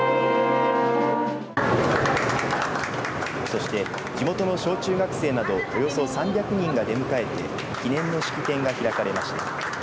そして地元の小中学生などおよそ３００人が出迎えて記念の式典が開かれました。